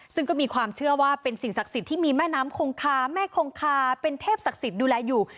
ซึ่งก็มีความเชื่อว่าเป็นสิ่งศักดิ์สิทธิ์ที่มีแม่น้ำคงคาแม่คงคาเป็นเทพศักดิ์สิทธิ์ดูแลอยู่